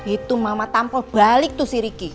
itu mama tampu balik tuh si riki